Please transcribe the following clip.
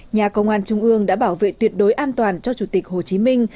nhà công an trung ương đã bảo vệ tuyệt đối an toàn cho chủ tịch hồ chí minh